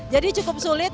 jadi cukup sulit